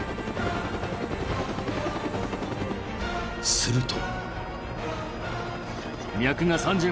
［すると］